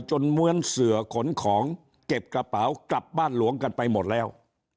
ม้วนเสือขนของเก็บกระเป๋ากลับบ้านหลวงกันไปหมดแล้ว